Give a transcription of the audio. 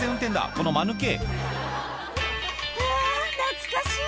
このマヌケ「うわ懐かしい！